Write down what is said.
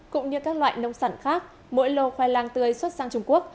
cũng như các loại nông sản khác mỗi lô khoai lang tươi xuất sang trung quốc